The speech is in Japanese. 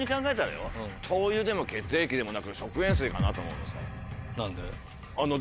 灯油でも血液でもなく食塩水かなと思うのさ。